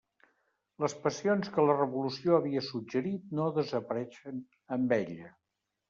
Les passions que la revolució havia suggerit no desapareixen amb ella.